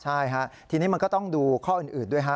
ใช่ฮะทีนี้มันก็ต้องดูข้ออื่นด้วยฮะ